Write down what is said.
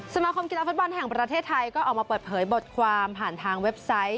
สมาคมกีฬาฟุตบอลแห่งประเทศไทยก็ออกมาเปิดเผยบทความผ่านทางเว็บไซต์